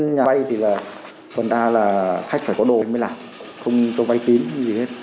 nhà vai thì là phần a là khách phải có đồ mới làm không cho vai tín gì hết